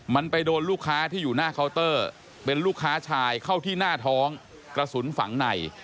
มันไปโดนลูกค้าที่อยู่หน้าเคาน์เตอร์เป็นลูกค้าชายเข้าที่หน้าท้องกระสุนฝังใน